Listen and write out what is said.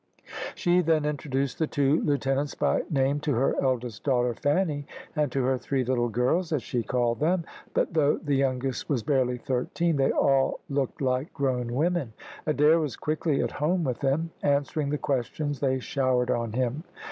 She then introduced the two lieutenants by name to her eldest daughter Fanny, and to her three little girls, as she called them, but though the youngest was barely thirteen, they all looked like grown women. Adair was quickly at home with them, answering the questions they showered on him.